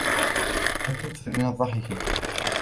لَا تُكْثِرْ مِنَ الضَّحِكِ.